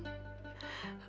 rum harus jawabnya